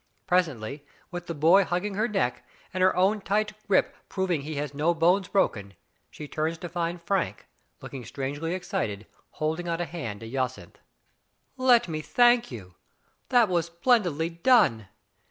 Presently, with the boy hugging her neck, and her own tight grasp prov ing he has no bones broken, she turns to find Digitized by Google 54 THE FATE OF FENELLA, Frank, looking strangely excited, holding out a hand to Jacynth. "Let me thank you. That ■ was splendidly done.